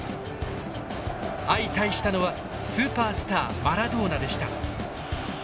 相対したのはスーパースターマラドーナでした。